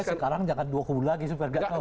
sekarang jangan dua kubu lagi supaya gak kelar